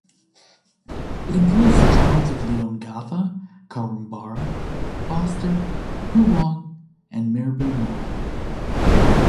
It includes the towns of Leongatha, Korumburra, Foster, Poowong and Mirboo North.